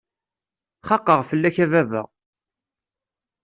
Xaqeɣ fell-ak a baba!